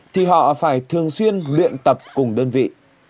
thì họ phải thường xuyên luyện tập cùng đơn vị